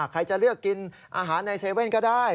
ใครจะเลือกกินอาหารในเว่นก็ได้